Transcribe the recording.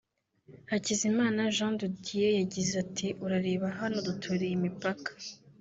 Hakizimana Jean de Dieu yagize ati “Urareba hano duturiye imipaka